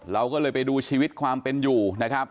เราก็เลยไปดูชีวิตความเป็นอยู่นะครับ